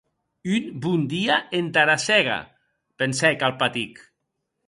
Un bon dia entara sèga, pensèc Alpatic.